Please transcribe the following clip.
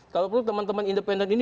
kalau perlu teman teman independen ini